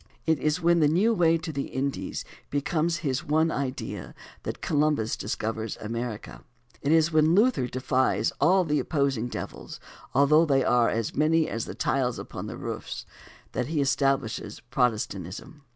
It is when the new way to the Indies becomes his one idea that Columbus discovers America. It is when Luther defies all the opposing devils, although they are as many as the tiles upon the roofs, that he establishes Protestantism.